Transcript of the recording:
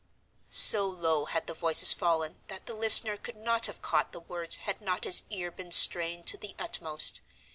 So low had the voices fallen that the listener could not have caught the words had not his ear been strained to the utmost.